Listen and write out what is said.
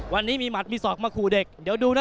วันนี้มีหัดมีศอกมาขู่เด็กเดี๋ยวดูนะ